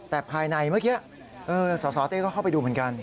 แต่ภายในเมื่อกี้สสเต้ก็เข้าไปดูเหมือนกัน